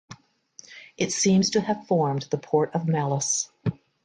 It seems to have formed the port of Mallus.